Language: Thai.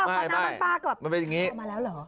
ไม่มันเป็นอย่างงี้